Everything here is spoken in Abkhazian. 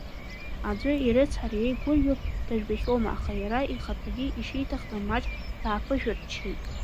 Аӡәы ирыцҳара иеигәырӷьо дыжәбахьоума, аха иара ихаҭагьы ишиҭахӡамыз маҷк дааԥышәырччеит.